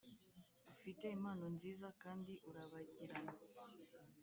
ufite impano, nziza, kandi urabagirana;